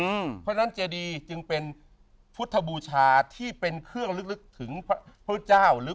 เพราะฉะนั้นเจดีจึงเป็นพุทธบูชาที่เป็นเครื่องลึกถึงพระพุทธเจ้าหรือ